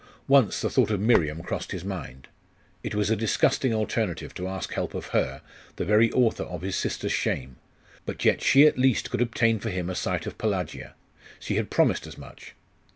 Once the thought of Miriam crossed his mind. It was a disgusting alternative to ask help of her, the very author of his sister's shame: but yet she at least could obtain for him a sight of Pelagia; she had promised as much.